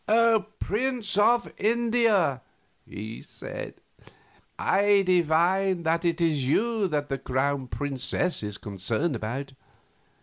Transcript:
"Prince of India," he said, "I divine that it is you that the Crown Princess is concerned about.